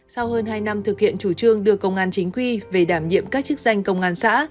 sau hơn hai năm thực hiện chủ trương đưa công an chính quy về đảm nhiệm các chức danh công an xã